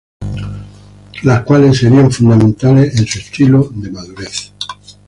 Las cuales serían fundamentales en su estilo de madurez.